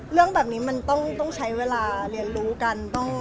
เรื่องแบบนี้มันต้องใช้เวลาเรียนรู้กัน